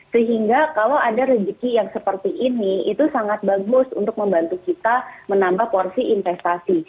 sehingga kalau ada rezeki yang seperti ini itu sangat bagus untuk membantu kita menambah porsi investasi